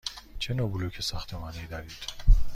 چه نوع بلوک ساختمانی دارید؟